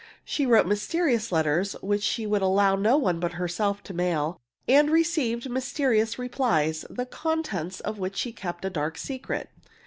She wrote mysterious letters which she would allow no one but herself to mail, and received mysterious replies, the contents of which she kept a dark secret.